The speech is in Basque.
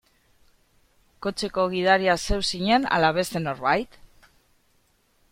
Kotxeko gidaria zeu zinen ala beste norbait?